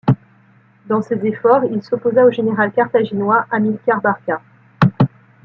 Dans ses efforts, il s'opposa au général carthaginois Hamilcar Barca.